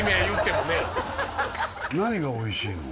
何がおいしいの？